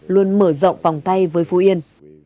luôn mở rộng vòng tay với phú yên